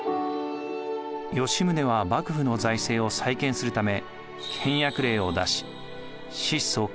吉宗は幕府の財政を再建するため倹約令を出し質素倹約を奨励。